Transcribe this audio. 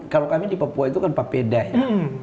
kalau kami di papua itu kan papeda ya